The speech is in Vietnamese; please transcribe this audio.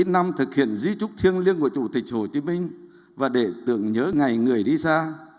chín mươi năm thực hiện di trúc thiêng liêng của chủ tịch hồ chí minh và để tưởng nhớ ngày người đi xa